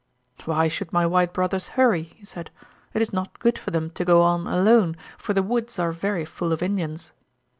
"'Why should my white brothers hurry?' he said. 'It is not good for them to go on alone, for the woods are very full of Indians.'